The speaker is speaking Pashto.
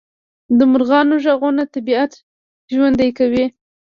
د مرغانو غږونه طبیعت ژوندی کوي